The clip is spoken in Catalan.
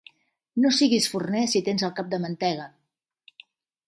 No siguis forner si tens el cap de mantega.